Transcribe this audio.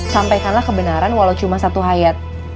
sampaikanlah kebenaran walau cuma satu hayat